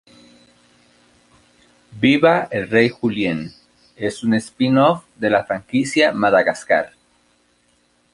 Viva el Rey Julien es un spin off de la franquicia "Madagascar".